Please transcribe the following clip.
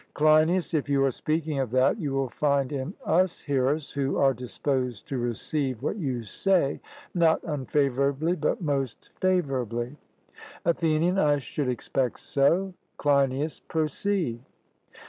CLEINIAS: If you are speaking of that, you will find in us hearers who are disposed to receive what you say not unfavourably but most favourably. ATHENIAN: I should expect so. CLEINIAS: Proceed.